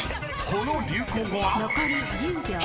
この流行語は？］